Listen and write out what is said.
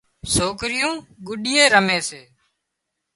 سوڪريون گڏيئي رمي سي